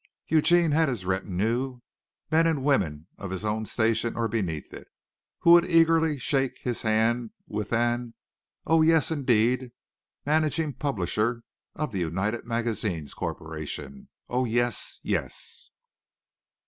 Eugene had his retinue, men and women of his own station or beneath it, who would eagerly shake his hand with an "Oh, yes, indeed. Managing Publisher of the United Magazines Corporation! Oh, yes, yes!"